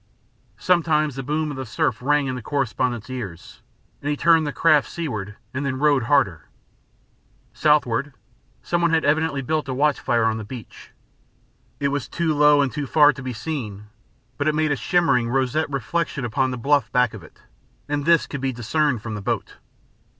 Sometimes the boom of the surf rang in the correspondent's ears, and he turned the craft seaward then and rowed harder. Southward, some one had evidently built a watch fire on the beach. It was too low and too far to be seen, but it made a shimmering, roseate reflection upon the bluff back of it, and this could be discerned from the boat.